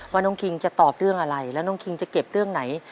ว่าน้องคิงจะตอบเรื่องอะไรแล้วน้องคิงจะเก็บเรื่องไหน